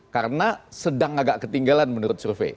karena sedang agak ketinggalan menurut survei